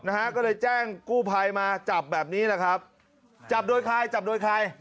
นะฮะก็เลยแจ้งกู้ภัยมาจับแบบนี้แหละครับจับโดยใครจับโดยใคร